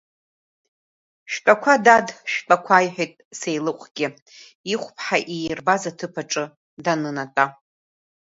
Шәтәақәа, дад, шәтәақәа, — иҳәеит Сеилыҟәгьы, ихәыԥҳа иирбаз аҭыԥ аҿы данынатәа.